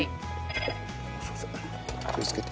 気をつけて。